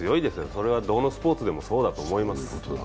それはどのスポーツでもそうだと思います。